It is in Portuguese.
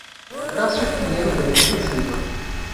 Cassio Pinheiro Dantas da Silva